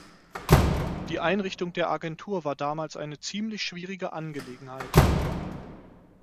Die Einrichtung der Agentur war damals eine ziemlich schwierige Angelegenheit.